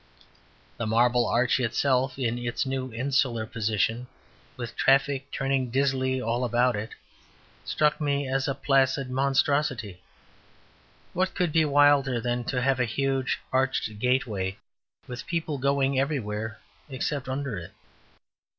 The Marble Arch itself, in its new insular position, with traffic turning dizzily all about it, struck me as a placid monstrosity. What could be wilder than to have a huge arched gateway, with people going everywhere except under it?